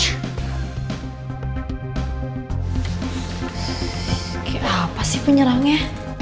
kayak apa sih penyerangnya